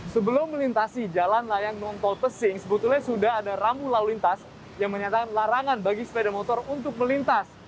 sebelum melintasi jalan layang nontol pesing sebetulnya sudah ada rambu lalu lintas yang menyatakan larangan bagi sepeda motor untuk melintas